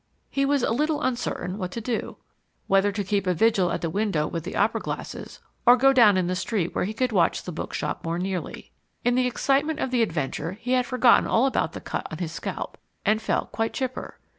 He was a little uncertain what to do: whether to keep a vigil at the window with the opera glasses, or go down in the street where he could watch the bookshop more nearly. In the excitement of the adventure he had forgotten all about the cut on his scalp, and felt quite chipper.